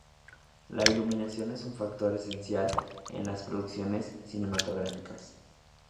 La iluminación es un factor esencial en las producciones cinematográficas.